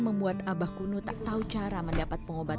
membuat abah kunu tak tahu cara mendapat pengobatan